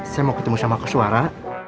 saya mau ketemu sama kesuara